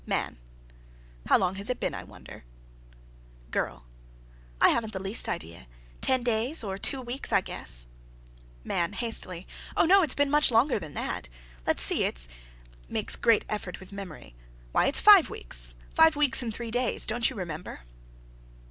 MAN. "How long has it been, I wonder?" GIRL. "I haven't the least idea. Ten days or two weeks, I guess." MAN. (Hastily.) "Oh no, it's been much longer than that. Let's see, it's" (makes great effort with memory) "why, it's five weeks! Five weeks and three days! Don't you remember?"